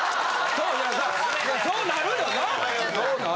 そうなるよな？